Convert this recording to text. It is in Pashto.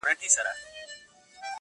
زه به څرنگه مخ اړوم يارانو,